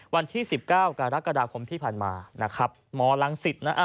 วันที่๑๙กรกฎาคมที่ผ่านมา